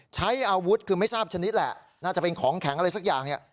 ใช้อาวุธคือไม่ทราบชนิดแหละน่าจะเป็นของแข็งอะไรสักอย่างเนี่ย